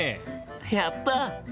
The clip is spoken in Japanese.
やった！